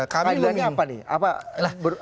keadilannya apa nih